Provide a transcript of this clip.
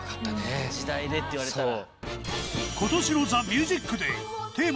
「時代で」って言われたら。